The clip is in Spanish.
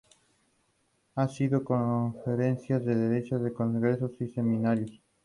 Union nació en Omaha, Nebraska, del matrimonio entre Theresa y Sylvester Union.